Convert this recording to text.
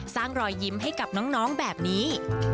รอยยิ้มให้กับน้องแบบนี้